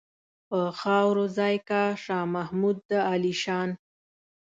په خاورو ځای کا شاه محمود د عالیشان.